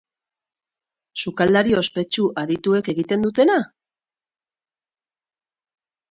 Sukaldari ospetsu adituek egiten dutena?